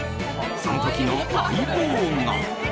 その時の相棒が。